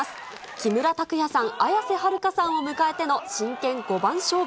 木村拓哉さん、綾瀬はるかさんを迎えての真剣５番勝負。